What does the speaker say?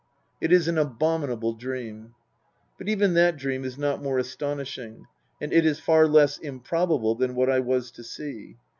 It is an abominable dream. But even that dream is not more astonishing, and it is far less improbable than what I was to see.